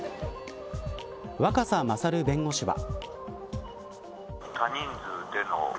若狭勝弁護士は。